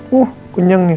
kok langsung tidur